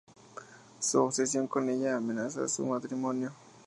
Su obsesión con ella amenaza su matrimonio.